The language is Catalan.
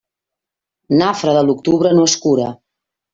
Nafra de l'octubre no es cura.